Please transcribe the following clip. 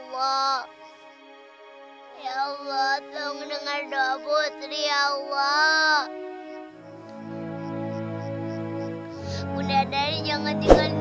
ya allah tuhan mendengar doa putri allah